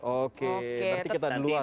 oke nanti kita duluan